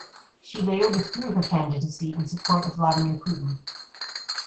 She later withdrew her candidacy in support of Vladimir Putin.